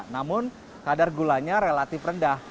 namun kadar gulanya relatif rendah